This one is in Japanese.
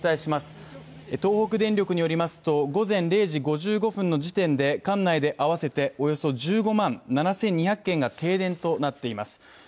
停電の情報をお伝えします東北電力によりますと午前０時５５分の時点で、管内で合わせておよそ１５万７２００軒が停電となっています。